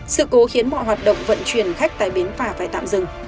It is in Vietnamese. sự cố khiến mọi hoạt động vận chuyển khách tại bến phà phải tạm dừng